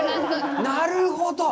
なるほど！